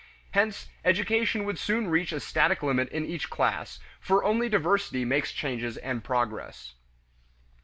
Hence education would soon reach a static limit in each class, for only diversity makes change and progress.